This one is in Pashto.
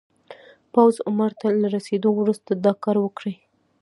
پوخ عمر ته له رسېدو وروسته دا کار وکړي.